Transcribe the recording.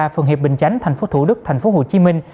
phường hiệp bình chánh thành phố thủ đức thành phố hồ chí minh